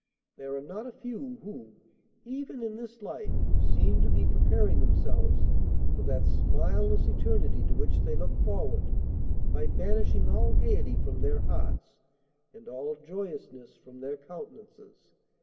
There are not a few who, even in this life, seem to be preparing themselves for that smileless eternity to which they look forward, by banishing all gaiety from their hearts and all joyousness from their countenances.